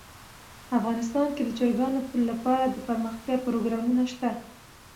افغانستان کې د چرګانو لپاره دپرمختیا پروګرامونه شته.